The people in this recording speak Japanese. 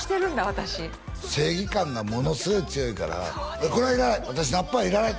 私正義感がものすごい強いから「これはいらない！